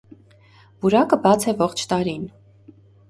Պուրակը բաց է ողջ տարին։